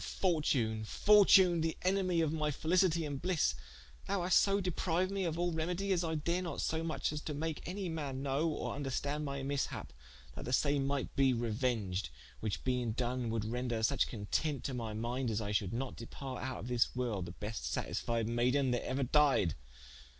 fortune, fortune, the enemy of my felicitie and blisse, thou haste so depriued me of all remedie, as I dare not so muche as to make any man know or vnderstand my mishap that the same might be reuenged, which being doen would render such content to my minde, that I should departe out of this worlde the beste satisfied mayden that euer died.